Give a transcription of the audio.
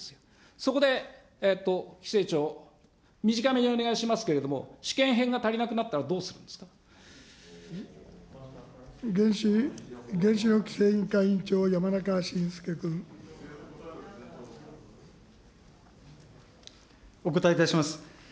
そこで規制庁、短めにお願いしますけれども、試験片が足りなくな原子力規制委員会委員長、山お答えいたします。